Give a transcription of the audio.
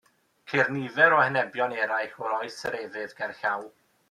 Ceir nifer o henebion eraill o Oes yr Efydd gerllaw.